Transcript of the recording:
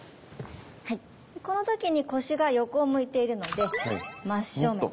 この時に腰が横を向いているので真正面。